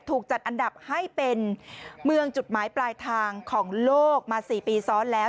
ถูกจัดอันดับให้เป็นเมืองจุดหมายปลายทางของโลกมา๔ปีซ้อนแล้ว